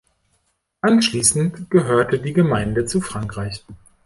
Anschliessend gehörte die Gemeinde zu Frankreich.